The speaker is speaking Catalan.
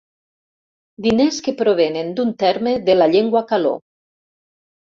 Diners que provenen d'un terme de la llengua caló.